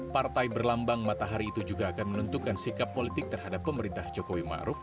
partai berlambang matahari itu juga akan menentukan sikap politik terhadap pemerintah jokowi ma'ruf